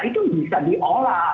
itu bisa diolah